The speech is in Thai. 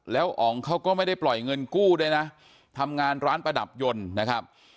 แล้วอ๋องเขาก็ไม่ได้ปล่อยเงินกู้ด้วยนะทำงานร้านประดับยนต์นะครับ